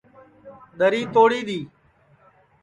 دری ٹُوڑی ہے